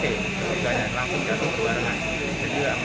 ketiganya langsung jatuh berbarengan